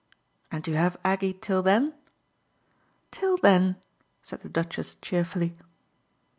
"And you have Aggie till then?" "Till then," said the Duchess cheerfully.